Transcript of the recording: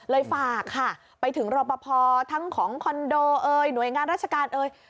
ฝากค่ะไปถึงรอปภทั้งของคอนโดเอ่ยหน่วยงานราชการเอ่ย